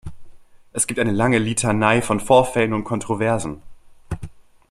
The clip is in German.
Es gibt eine lange Litanei von Vorfällen und Kontroversen.